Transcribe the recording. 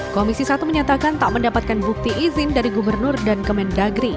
komisi satu menyatakan tak mendapatkan bukti izin dari gubernur dan kemendagri